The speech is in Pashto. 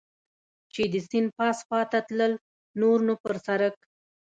چې د سیند پاس خوا ته تلل، نور نو پر سړک.